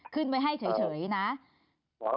ขึ้นไว้ให้เฉยนะ